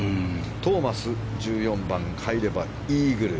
トーマス１４番、入ればイーグル。